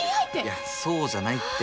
いやそうじゃないって。